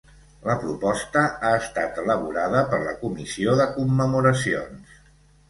La proposta ha estat elaborada per la Comissió de Commemoracions.